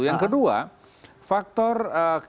yang kedua faktor kerja partisipasi